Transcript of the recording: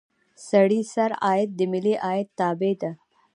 سړي سر عاید د ملي عاید تابع ده.